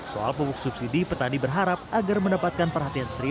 soal pupuk subsidi petani berharap agar mendapatkan perhatian serius